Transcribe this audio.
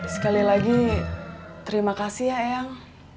sekali lagi terima kasih ya eyang